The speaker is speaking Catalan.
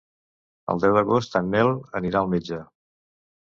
El deu d'agost en Nel anirà al metge.